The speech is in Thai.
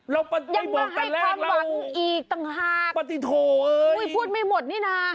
ยังมาให้ความหวังอีกต่างหากปฏิโทษเอ้ยพูดไม่หมดนี่น่ะ